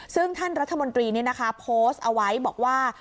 ซึ่งท่านรัฐมนตรีโพสต์เอาไว้บอกว่า